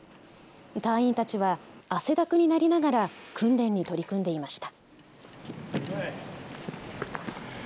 隊員たちは汗だくになりながら訓練に取り組んでいました。